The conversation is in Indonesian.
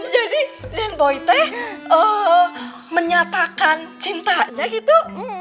jadi dan boy t menyatakan cintanya gitu